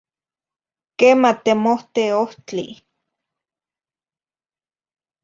Quema temohte ohtli.